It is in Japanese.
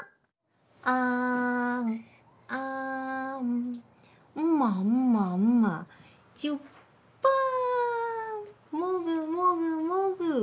「あーんあーん」「うまうまうまちゅっぱ」「もぐもぐもぐ」